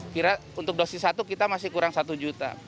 kira untuk dosis satu kita masih kurang satu juta